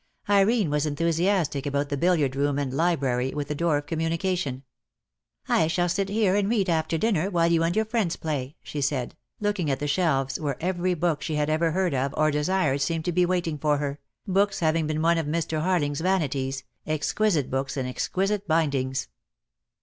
Irene was enthusiastic about the billiard room and library, with a door of communication. "I shall sit here and read after dinner, while you and your friends play," she said, looking at the shelves, where every book she had ever heard of or desired seemed to be waiting for her, books having been one of Mr. Harling's vanities, exquisite books in exquisite bindings.